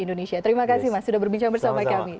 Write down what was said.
indonesia terima kasih mas sudah berbincang bersama kami